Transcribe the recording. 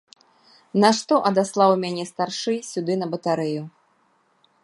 Нашто адаслаў мяне старшы сюды на батарэю?